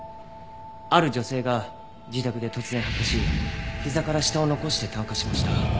ある女性が自宅で突然発火しひざから下を残して炭化しました。